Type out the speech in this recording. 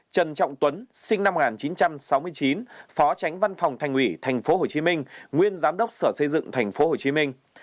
trần trọng tuấn sinh năm một nghìn chín trăm sáu mươi chín phó tránh văn phòng thành ủy tp hcm nguyên giám đốc sở xây dựng tp hcm